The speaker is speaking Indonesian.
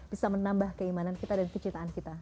bisa menambah keimanan kita dan kecintaan kita